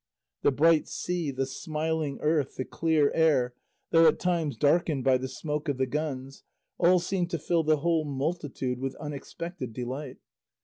The bright sea, the smiling earth, the clear air though at times darkened by the smoke of the guns all seemed to fill the whole multitude with unexpected delight.